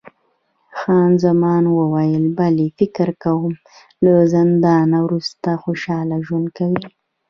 خان زمان وویل، بلی، فکر کوم له زندانه وروسته خوشحاله ژوند کوي.